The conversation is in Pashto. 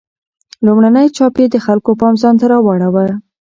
لومړنی چاپ یې د خلکو پام ځانته راواړاوه.